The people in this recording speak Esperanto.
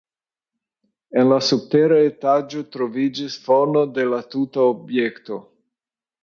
En la subtera etaĝo troviĝis fono de la tuta objekto.